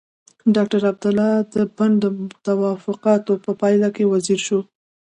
ډاکټر عبدالله د بن د توافقاتو په پايله کې وزیر شو.